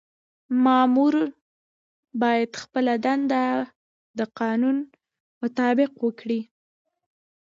مامور باید خپله دنده د قانون مطابق وکړي.